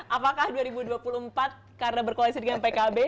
apakah dua ribu dua puluh empat karena berkoalisi dengan pkb